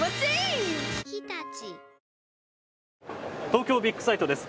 東京ビッグサイトです。